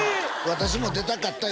「私も出たかった」